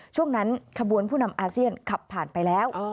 ช่วงนั้นขบวนผู้นำอาเซียนขับผ่านไปแล้ว